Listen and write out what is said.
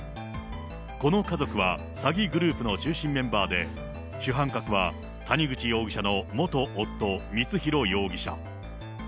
この家族は、詐欺グループの中心メンバーで、主犯格は谷口容疑者の元夫、光弘容疑者。